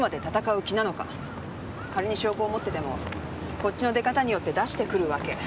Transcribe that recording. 仮に証拠を持っててもこっちの出方によって出してくるわけ。